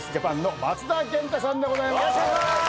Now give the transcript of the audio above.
よろしくお願いします！